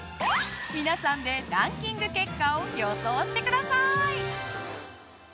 皆さんでランキング結果を予想してください！